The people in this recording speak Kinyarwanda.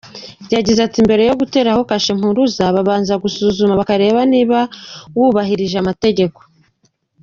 Yagize ati “Mbere yo guteraho kashe mpuruza babanza gusuzuma bakareba niba wubahirije amategeko.